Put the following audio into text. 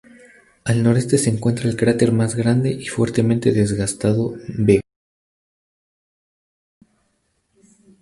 Al noreste se encuentra el cráter más grande y fuertemente desgastado Vega.